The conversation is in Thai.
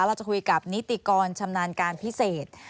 เราจะคุยกับนิติกรชำนาญการพิเศษ